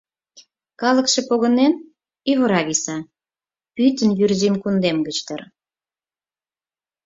Калыкше погынен — ӱвыра виса, пӱтынь Вӱрзым кундем гыч дыр.